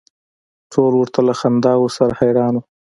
ټول ورته له خنداوو سره حیران و.